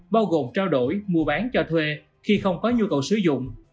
bao gồm trao đổi mua bán cho thuê khi không có nhu cầu sử dụng